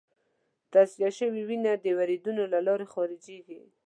تصفیه شوې وینه د وریدونو له لارې خارجېږي.